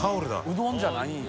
うどんじゃないんや。